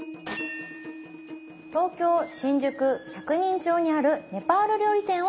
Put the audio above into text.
東京新宿百人町にあるネパール料理店を訪ねました